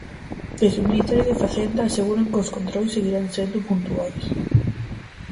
Desde o Ministerio de Facenda aseguran que os controis seguirán sendo puntuais.